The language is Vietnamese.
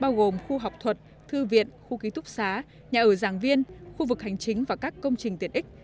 bao gồm khu học thuật thư viện khu ký túc xá nhà ở giảng viên khu vực hành chính và các công trình tiện ích